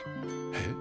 えっ？